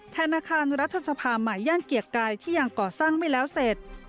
ธนาคารรัฐสภาใหม่ย่านเกียรติกายที่ยังก่อสร้างไม่แล้วเสร็จ